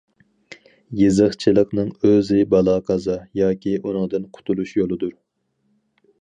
يېزىقچىلىقنىڭ ئۆزى بالا قازا ياكى ئۇنىڭدىن قۇتۇلۇش يولىدۇر.